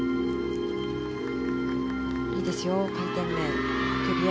いいですよ、回転面。